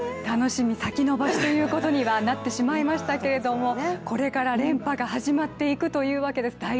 楽しみ先延ばしとなってしまいましたけれどもこれから連覇が始まっていくというわけです。